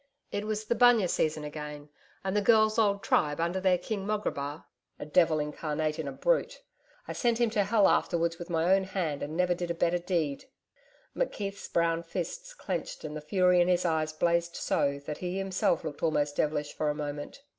'It was the bunya season again, and the girls' old tribe, under their King Mograbar a devil incarnate in a brute I sent him to Hell afterwards with my own hand and never did a better deed' McKeith's brown fists clenched and the fury in his eyes blazed so that he himself looked almost devilish for a moment.